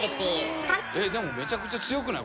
でもめちゃくちゃ強くない？